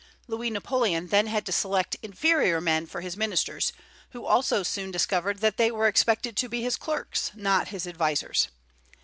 Louis Napoleon then had to select inferior men for his ministers, who also soon discovered that they were expected to be his clerks, not his advisers.